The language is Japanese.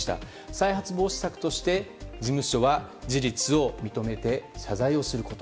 再発防止策として事務所は事実を認めて謝罪をすること。